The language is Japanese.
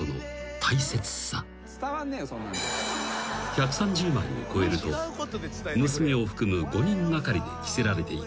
［１３０枚を超えると娘を含む５人がかりで着せられていく］